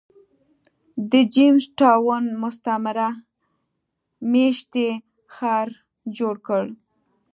د جېمز ټاون مستعمره مېشتی ښار جوړ کړ.